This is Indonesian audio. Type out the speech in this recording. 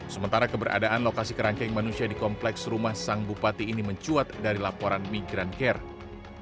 sementara keberadaan lokasi kerangkeng manusia di kompleks rumah sang bupati ini mencuat dari laporan migran care